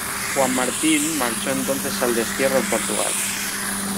Juan Martín marchó entonces al destierro en Portugal.